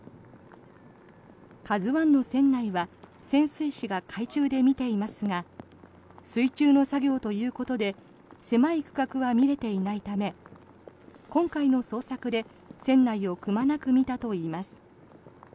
「ＫＡＺＵ１」の船内は潜水士が海中で見ていますが水中の作業ということで狭い区画は見れていないため今回の捜索で船内をくまなく見たといいます。